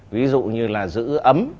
ví dụ như là giữ ấm